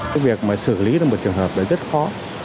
cái việc mà xử lý là một trường hợp là rất khó